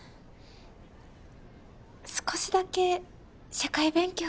少しだけ社会勉強で。